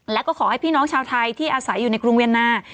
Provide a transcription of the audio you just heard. และก็ขอให้พี่น้องชาวไทยที่อาศัยอยู่ในกรุงเวียนนา